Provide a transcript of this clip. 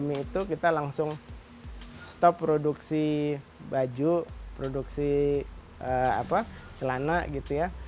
mie itu kita langsung stop produksi baju produksi celana gitu ya